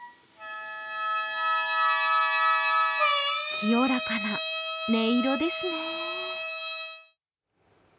清らかな音色ですね。